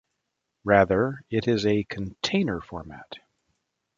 Rather, it is a container format.